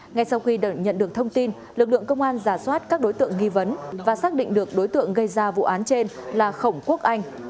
ngay sau khi nhận được thông tin lực lượng công an giả soát các đối tượng nghi vấn và xác định được đối tượng gây ra vụ án trên là khổng quốc anh